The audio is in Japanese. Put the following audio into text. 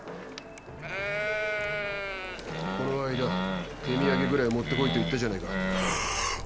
この間手土産ぐらい持ってこいと言ったじゃないか。